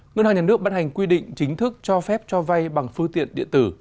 ngân hàng nhà nước bắt hành quy định chính thức cho phép cho vay bằng phương tiện điện tử